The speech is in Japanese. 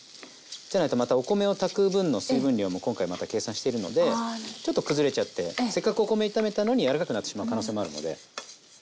じゃないとまたお米を炊く分の水分量も今回また計算してるのでちょっと崩れちゃってせっかくお米炒めたのに柔らかくなってしまう可能性もあるので。